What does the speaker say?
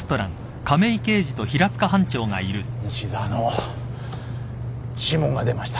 西沢の指紋が出ました。